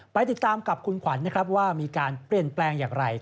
ไปติดตามกับคุณขวัญนะครับว่ามีการเปลี่ยนแปลงอย่างไร